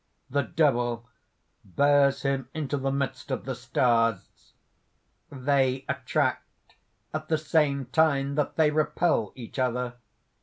THE DEVIL (bears him into the midst of the stars): "They attract at the same time that they repel each other.